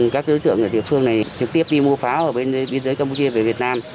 các đối tượng ở địa phương này trực tiếp đi mua pháo ở bên biên giới campuchia về việt nam